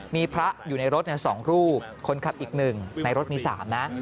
มีพระอยู่ในรถ๒รูปคนขับอีก๑ในรถมี๓นะ